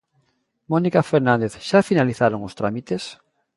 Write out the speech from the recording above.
Mónica Fernández, xa finalizaron os trámites?